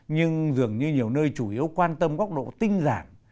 nhưng dường như nhiều nơi chủ yếu quan tâm góc độ tinh giản